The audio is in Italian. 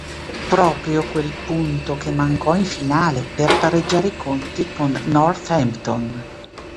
Proprio quel punto che mancò in finale per pareggiare i conti con Northampton.